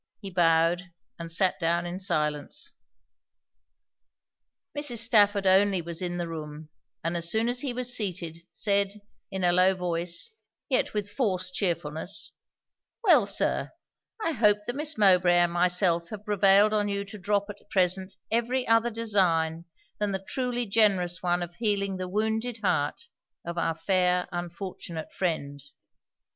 He bowed, and sat down in silence. Mrs. Stafford only was in the room; and as soon as he was seated, said, in a low voice, yet with forced chearfulness 'Well, Sir, I hope that Miss Mowbray and myself have prevailed on you to drop at present every other design than the truly generous one of healing the wounded heart of our fair unfortunate friend.'